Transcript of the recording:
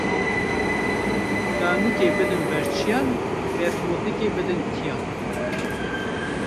Danûgê bidin birçiyan, berfmotikê bidin tiyan